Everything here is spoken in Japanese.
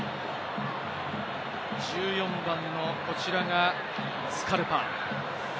１４番のこちらがスカルパ。